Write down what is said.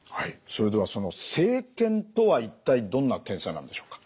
それではその生検とは一体どんな検査なんでしょうか？